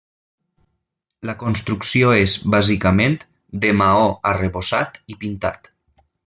La construcció és bàsicament de maó arrebossat i pintat.